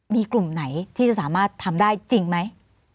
มีกลุ่มไหนที่จะสามารถทำได้จริงไหม